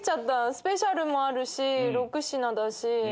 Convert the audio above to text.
スペシャルメニューもあるし６品だし。